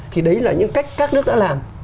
thì đấy là những cách các nước đã làm